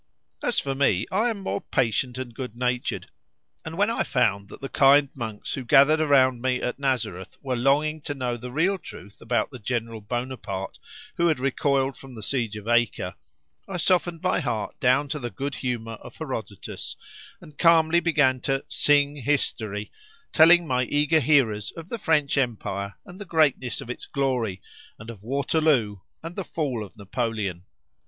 As for me, I am more patient and good natured, and when I found that the kind monks who gathered round me at Nazareth were longing to know the real truth about the General Bonaparte who had recoiled from the siege of Acre, I softened my heart down to the good humour of Herodotus, and calmly began to "sing history," telling my eager hearers of the French Empire and the greatness of its glory, and of Waterloo and the fall of Napoleon!